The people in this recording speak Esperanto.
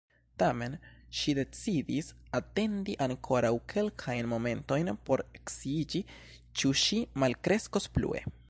Tamen ŝi decidis atendi ankoraŭ kelkajn momentojn por sciiĝi ĉu ŝi malkreskos plue.